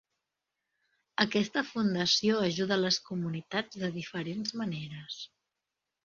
Aquesta fundació ajuda les comunitats de diferents maneres.